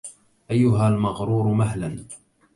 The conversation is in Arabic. أيها المغرور مهلا